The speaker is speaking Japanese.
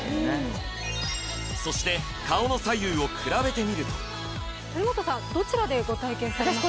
そして顔の左右を比べてみると藤本さんどちらでご体験されましたか？